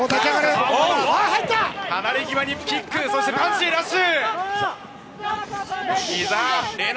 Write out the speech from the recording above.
離れ際にキックそしてパンチのラッシュ！